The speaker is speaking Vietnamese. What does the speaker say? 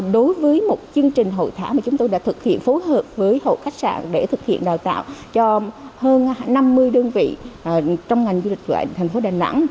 đối với một chương trình hội thảo mà chúng tôi đã thực hiện phối hợp với hội khách sạn để thực hiện đào tạo cho hơn năm mươi đơn vị trong ngành du lịch của thành phố đà nẵng